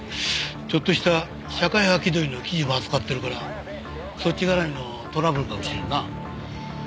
ちょっとした社会派気取りの記事も扱ってるからそっち絡みのトラブルかもしれんな。